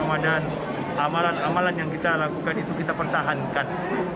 amadhan amalan amalan yang kita lakukan itu kita pertahankan